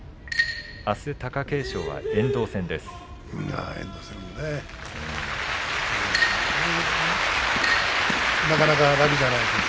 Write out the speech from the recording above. あす貴景勝は遠藤戦です。